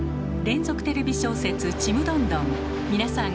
連続テレビ小説「ちむどんどん」